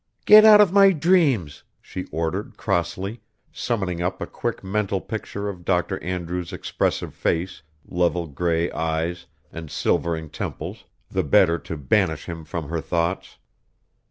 "Get out of my dreams," she ordered crossly, summoning up a quick mental picture of Dr. Andrews' expressive face, level gray eyes, and silvering temples, the better to banish him from her thoughts.